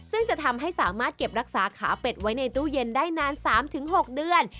ซึ่งจะทำให้สามารถเก็บรักษาขาเป็ดไว้ในตู้เย็นได้นาน๓๖เดือน